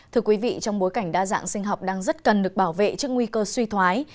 thưa quý vị trong bối cảnh đa dạng sinh học đang rất cần được bảo vệ trước nguy cơ suy thoái